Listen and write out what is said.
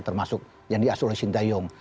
termasuk yang di asur shinta yong